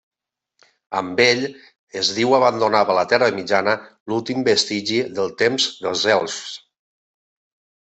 Amb ell, es diu, abandonava la Terra Mitjana l'últim vestigi del temps dels elfs.